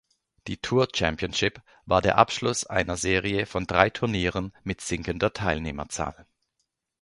Die Tour Championship war der Abschluss einer Serie von drei Turnieren mit sinkender Teilnehmerzahl.